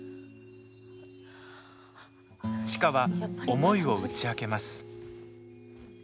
千佳は、思いを打ち明けます。